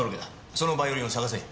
そのバイオリンを捜せ。